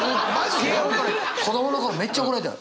子どもの頃めっちゃ怒られた。